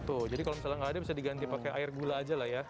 tuh jadi kalo misalnya ga ada bisa diganti pake air gula aja lah ya